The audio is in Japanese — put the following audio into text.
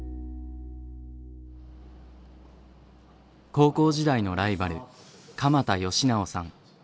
高校時代のライバル釜田佳直さん。